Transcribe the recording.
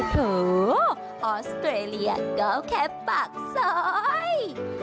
โถออสเตรเลียก็แค่ปากซอย